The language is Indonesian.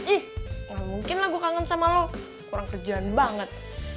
ih gak mungkin lah gue kangen sama lo kurang kerjaan banget